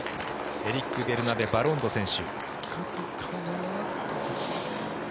エリック・ベルナベ・バロンド選手。